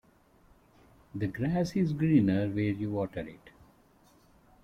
The grass is greener where you water it.